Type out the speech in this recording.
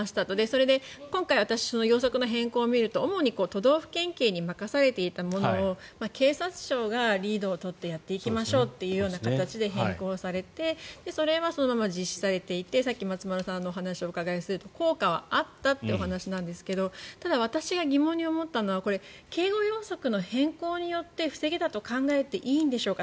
それで今回その要則の変更を見ると主に都道府県警に任されていたものを警察庁がリードを取ってやっていきましょうという形で変更されてそれはそのまま実施されていてさっき松丸さんのお話をお伺いすると効果はあったというお話なんですがただ、私が疑問に思ったのは警護要則の変更によって防げたと考えていいんでしょうか。